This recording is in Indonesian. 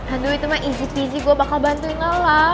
aduh itu mah easy peasy gue bakal bantuin nala